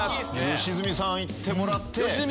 良純さん行ってもらって。